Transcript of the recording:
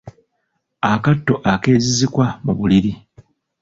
Akatto akeezizikwa mu buliri.